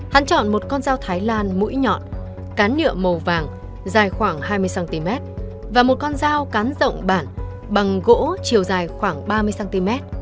hắn chọn một con dao thái lan mũi nhọn cán nhựa màu vàng dài khoảng hai mươi cm và một con dao cán rộng bản bằng gỗ chiều dài khoảng ba mươi cm